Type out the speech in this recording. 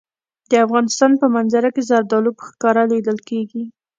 د افغانستان په منظره کې زردالو په ښکاره لیدل کېږي.